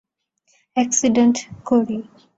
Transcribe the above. Accident করি।